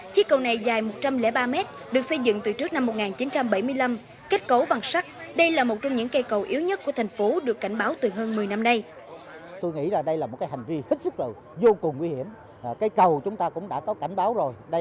chiếc cầu này dài một trăm linh ba mét được xây dựng từ trước năm một nghìn chín trăm bảy mươi năm kết cấu bằng sắt đây là một trong những cây cầu yếu nhất của thành phố được cảnh báo từ hơn một mươi năm nay